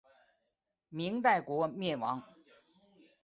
明代国灭亡。